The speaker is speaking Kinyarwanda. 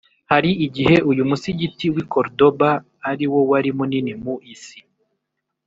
hari igihe uyu musigiti w’i córdoba ari wo wari munini mu isi